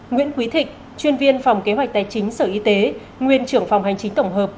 nguyễn quý thịnh chuyên viên phòng kế hoạch tài chính sở y tế nguyên trưởng phòng hành chính tổng hợp